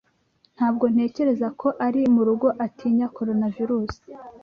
Ntabwo ntekereza ko ari murugo atinya Coronavirusi